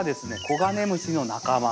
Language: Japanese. コガネムシの仲間。